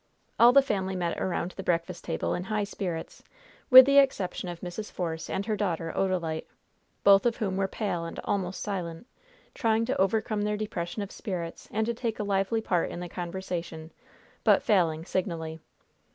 All the family met around the breakfast table in high spirits, with the exception of Mrs. Force and her daughter, Odalite, both of whom were pale and almost silent, trying to overcome their depression of spirits and to take a lively part in the conversation, but failing signally.